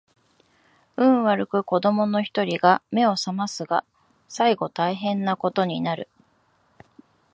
運悪く子供の一人が眼を醒ますが最後大変な事になる